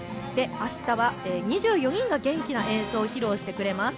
あしたは２４人が元気な演奏を披露してくれます。